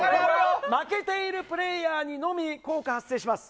負けているプレーヤーにのみ効果が発生します。